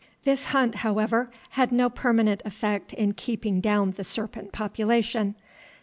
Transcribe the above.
This hunt, however, had no permanent effect in keeping down the serpent population.